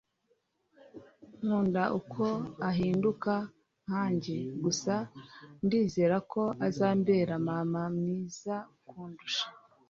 nkunda uko ahinduka nkanjye. gusa ndizera ko azambera mama mwiza kundusha